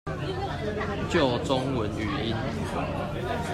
救中文語音